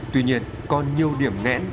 tuy nhiên còn nhiều điểm ngẽn